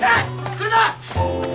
来るな！